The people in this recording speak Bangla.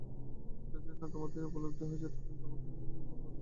যতদিন না তোমার এই উপলব্ধি হইতেছে, ততদিন তোমাতে ও নাস্তিকে কোন প্রভেদ নাই।